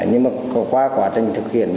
nhưng mà qua quá trình thực hiện